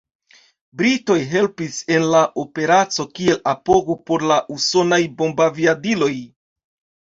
Britoj helpis en la Operaco kiel apogo por la usonaj bombaviadiloj.